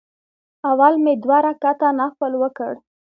اول مې دوه رکعته نفل وکړ.